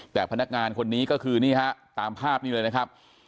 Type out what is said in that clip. แต่พนักงานคนนี้ก็คือนี่ฮะตามภาพนี้เลยนะครับ